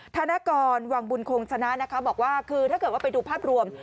ธนกรวังบุญคงชนะนะคะบอกว่าคือถ้าเกิดว่าไปดูภาพรวม